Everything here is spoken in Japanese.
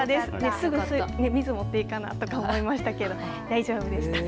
すぐ持っていかなとか思いましたけど大丈夫でした。